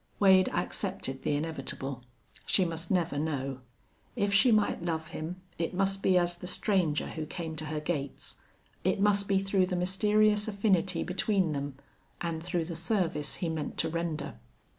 Wade accepted the inevitable, She must never know. If she might love him it must be as the stranger who came to her gates, it must be through the mysterious affinity between them and through the service he meant to render.